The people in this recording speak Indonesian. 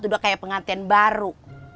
udah kayak pengantin baru